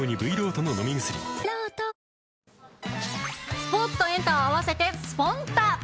スポーツとエンタを合わせてスポンタっ！